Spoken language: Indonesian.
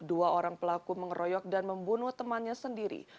dua orang pelaku mengeroyok dan membunuh temannya sendiri